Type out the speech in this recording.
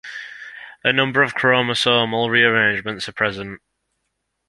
A number of chromosomal rearrangements are present.